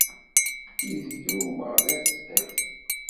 Izga Umeɣlal sdat-i.